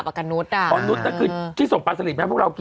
กับกันพ่อนุฏอ่ะอ่าอ่อนุฏนั่นคือที่ส่งปลาสลิดมาให้พวกเรากิน